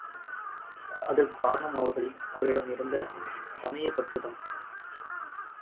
அதற்குக் காரணம் அவரிடம் இருந்த சமயப் பற்றுத்தான்.